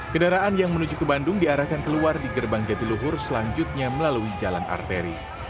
kendaraan yang menuju ke bandung diarahkan keluar di gerbang jatiluhur selanjutnya melalui jalan arteri